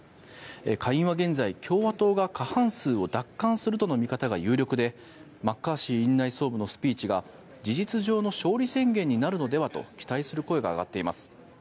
下院は現在、共和党が過半数を奪還すると見方が有力でマッカーシー院内総務のスピーチが事実上の勝利宣言になるのではと期待する声が上がっています。